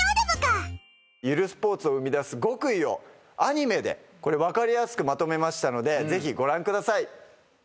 ゆるスポーツを生み出す極意をアニメでこれ分かりやすくまとめましたのでぜひご覧ください。